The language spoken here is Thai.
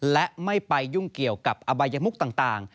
และไม่ไปยุ่งเกี่ยวกับอบัยมุกต่าง